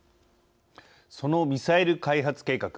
そのミサイル開発計画。